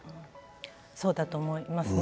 そうだと思います。